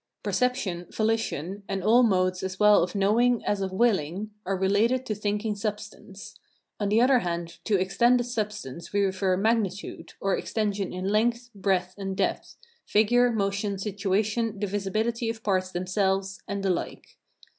Perception, volition, and all modes as well of knowing as of willing, are related to thinking substance; on the other hand, to extended substance we refer magnitude, or extension in length, breadth, and depth, figure, motion, situation, divisibility of parts themselves, and the like.